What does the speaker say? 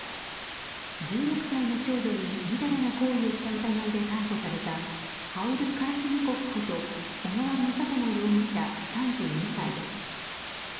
１６歳の少女にみだらな行為をした疑いで逮捕されたハウル・カラシニコフこと小川雅朝容疑者、３２歳です。